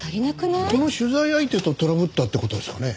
この取材相手とトラブったって事ですかね？